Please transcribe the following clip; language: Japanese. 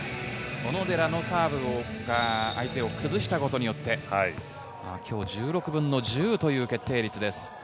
小野寺のサーブが相手を崩したことによって、今日、１６分の１０という決定率です。